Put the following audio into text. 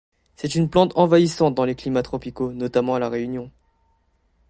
C'est une plante envahissante dans les climats tropicaux notamment à La Réunion.